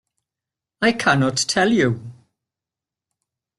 I cannot tell you.